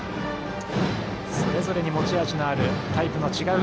それぞれに持ち味のあるタイプの違う